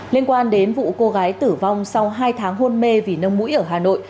liên quan đến vụ cô gái tử vong sau hai tháng hôn mê vì nông mũi ở hà nội